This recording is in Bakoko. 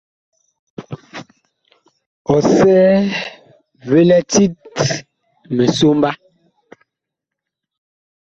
Ɔsɛɛ vi lɛ tit misomba.